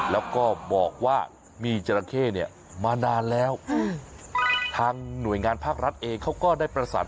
แล้วก็บอกว่ามีจราเข้เนี่ยมานานแล้วทางหน่วยงานภาครัฐเองเขาก็ได้ประสาน